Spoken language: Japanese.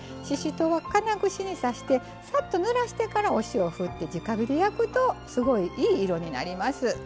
ししとうは金串に刺してサッとぬらしてからお塩をふってじか火で焼くとすごいいい色になります。